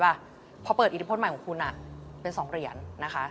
ใช่ไหมเพอลาเปิดอีทธิพลใหม่ของคุณอ่ะเป็น๒เหรียญนะคะ